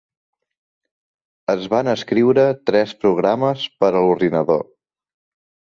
Es van escriure tres programes per a l'ordinador.